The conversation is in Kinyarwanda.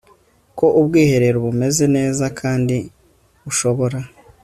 ko ubwiherero bumeze neza kandi bushobora